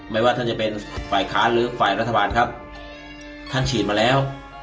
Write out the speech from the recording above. ว่าท่านจะเป็นฝ่ายค้านหรือฝ่ายรัฐบาลครับท่านฉีดมาแล้ว